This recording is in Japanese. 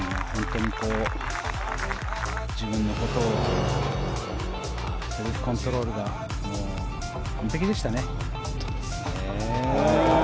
自分のことをセルフコントロールが完璧でしたね。